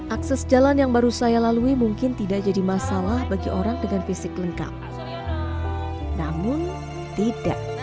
akses jalan yang baru saya lalui mungkin tidak jadi masalah bagi orang dengan fisik lengkap namun tidak